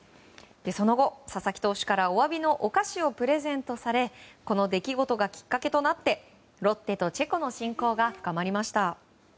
その後、佐々木投手からお詫びのお菓子をプレゼントされこの出来事がきっかけとなってロッテとチェコの親交が深まりました。